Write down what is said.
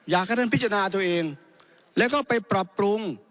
อยากให้ท่านพิจารณาตัวเองแล้วก็ไปปรับปรุง